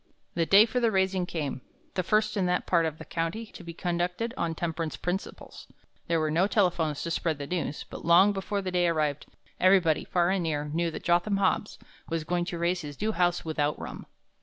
"The day for the raising came, the first in that part of the country to be conducted on temperance principles. There were no telephones to spread the news, but long before the day arrived, everybody, far and near, knew that Jotham Hobbs was going to raise his new house without rum.